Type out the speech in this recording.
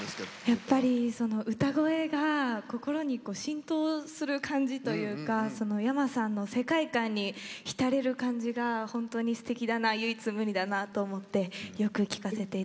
やっぱりその歌声が心に浸透する感じというかｙａｍａさんの世界観に浸れる感じが本当にすてきだな唯一無二だなと思ってよく聴かせていただいております。